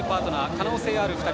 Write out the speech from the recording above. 可能性ある２人。